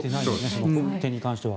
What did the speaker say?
この件に関しては。